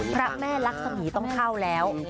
พระแม่ลักษมีต้องเข้าแล้ว